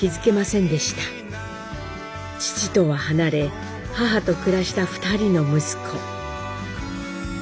父とは離れ母と暮らした二人の息子。